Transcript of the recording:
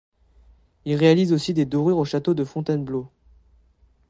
Il réalise aussi des dorures au château de Fontainebleau.